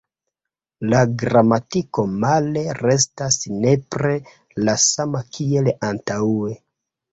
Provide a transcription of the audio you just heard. La gramatiko male restas nepre la sama kiel antaŭe".